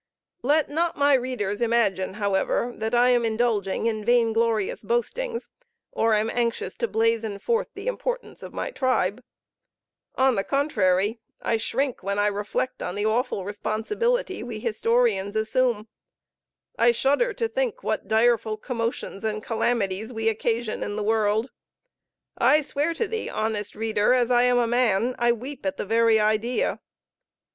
Let not my readers imagine, however, that I am indulging in vain glorious boastings, or am anxious to blazon forth the importance of my tribe. On the contrary, I shrink when I reflect on the awful responsibility we historians assume; I shudder to think what direful commotions and calamities we occasion in the world; I swear to thee, honest reader, as I am a man, I weep at the very idea!